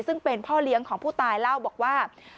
ซึ่งเป็นพ่อเลี้ยงของผู้ตายเล่าบอกว่า